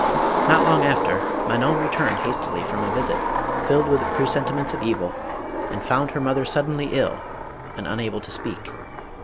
Not long after, Manon returned hastily from a visit, filled with presentiments of evil, and found her mother suddenly ill, and unable to speak.